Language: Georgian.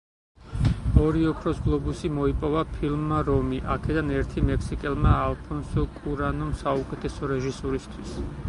ორი „ოქროს გლობუსი“ მოიპოვა ფილმმა „რომი“, აქედან ერთი – მექსიკელმა ალფონსო კუარონმა საუკეთესო რეჟისურისთვის.